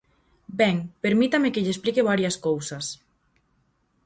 Ben, permítame que lle explique varias cousas.